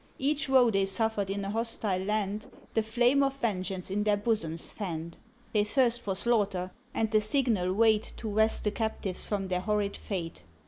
Each woe they suffered in a hostile land The flame of vengeance in their bosoms fanned. They thirst for slaughter, and the signal wait To wrest the captives from their horrid fate.